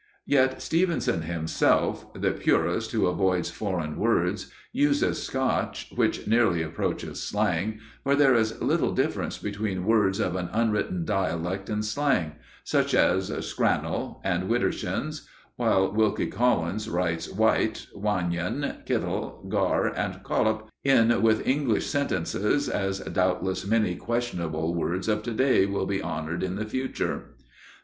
Yet Stevenson himself, the purist who avoids foreign words, uses Scotch which nearly approaches slang, for there is little difference between words of an unwritten dialect and slang, such as "scrannel" and "widdershins"; while Wilkie Collins writes "wyte," "wanion," "kittle," "gar," and "collop" in with English sentences, as doubtless many questionable words of today will be honoured in the future.